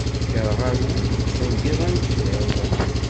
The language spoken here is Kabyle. Irɣa wul, tengiḍ a nnfiḍ.